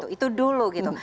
itu dulu gitu